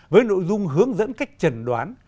với nội dung hướng dẫn cách trần đoán